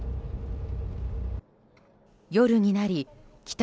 夜になり帰宅